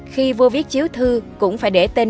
khi vua viết chiếu thư cũng phải để tên